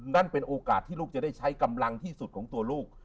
นั่นเป็นโอกาสที่ลูกจะได้ใช้กำลังที่สุดของตัวลูก